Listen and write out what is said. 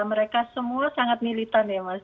mereka semua sangat militan ya mas